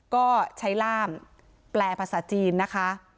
ก็ใช้ล่ามแปลภาษาจีนนะคะ